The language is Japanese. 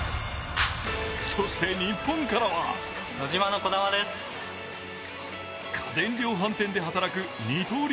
そして日本からは家電量販店で働く二刀流